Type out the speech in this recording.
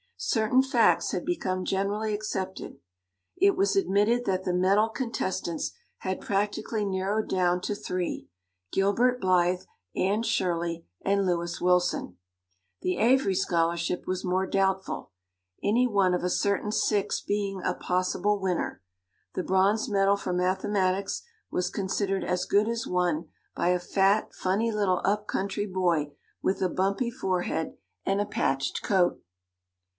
Certain facts had become generally accepted. It was admitted that the medal contestants had practically narrowed down to three Gilbert Blythe, Anne Shirley, and Lewis Wilson; the Avery scholarship was more doubtful, any one of a certain six being a possible winner. The bronze medal for mathematics was considered as good as won by a fat, funny little up country boy with a bumpy forehead and a patched coat.